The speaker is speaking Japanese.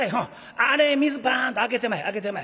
あれ水バンとあけてまえあけてまえ。